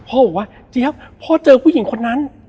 บอกว่าเจี๊ยบพ่อเจอผู้หญิงคนนั้น